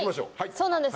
そうなんです。